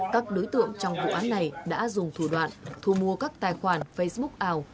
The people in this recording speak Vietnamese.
các đối tượng trong vụ án này đã dùng thủ đoạn thu mua các tài khoản facebook ảo